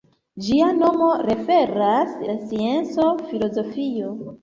Ĝia nomo referas la scienco filozofio.